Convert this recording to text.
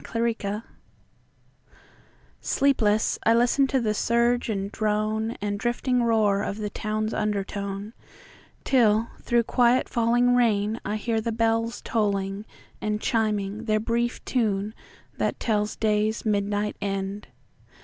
Parted SLEEPLESS I listen to the surge and droneAnd drifting roar of the town's undertone; Till through quiet falling rain I hear the bellsTolling and chiming their brief tune that tellsDay's midnight end.